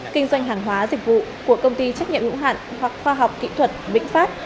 kinh doanh hàng hóa dịch vụ của công ty trách nhiệm hữu hạn hoặc khoa học kỹ thuật vĩnh pháp